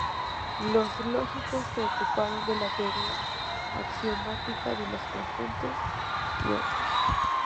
Los lógicos se ocuparon de la teoría axiomática de los conjuntos y otros.